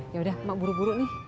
yaudah mak buru buru nih